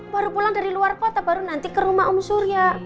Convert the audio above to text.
baru pulang dari luar kota baru nanti ke rumah om surya